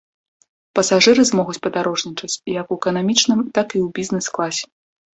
Пасажыры змогуць падарожнічаць як у эканамічным, так і ў бізнес-класе.